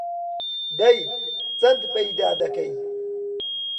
دەی چەند پەیدا دەکەی؟